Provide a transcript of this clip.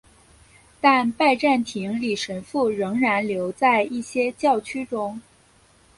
但拜占庭礼神父仍然留在一些教区中。